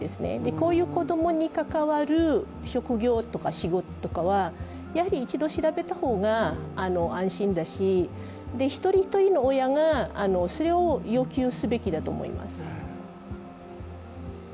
こういう子供に関わる職業や仕事は、一度調べた方が安心だし、一人一人の親がそれを要求すべきだと思います。